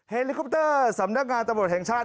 เฮลิคอปเตอร์สำนักงานตำรวจแห่งชาติ